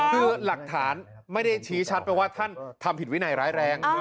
คือหลักฐานไม่ได้ชี้ชัดไปว่าท่านทำผิดวินัยร้ายแรง